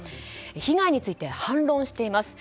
被害について反論しています。